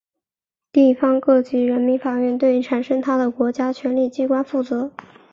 地方各级人民法院对产生它的国家权力机关负责。